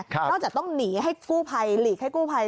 นอกจากต้องหนีให้กู้ภัยหลีกให้กู้ภัย